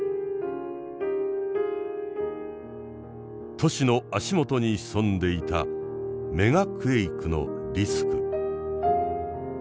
都市の足元に潜んでいたメガクエイクのリスク。